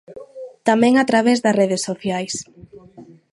Tamén a través das redes sociais.